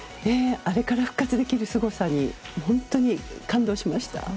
あれから復活できるすごさに感動しました。